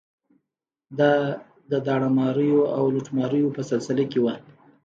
دا د داړه ماریو او لوټماریو په سلسله کې وه.